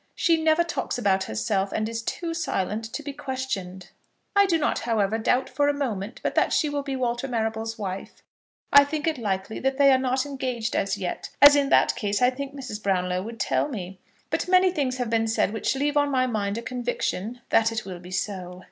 She never talks about herself, and is too silent to be questioned. I do not, however, doubt for a moment but that she will be Walter Marrable's wife. I think it likely that they are not engaged as yet, as in that case I think Mrs. Brownlow would tell me; but many things have been said which leave on my mind a conviction that it will be so.